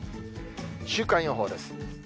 週間予報です。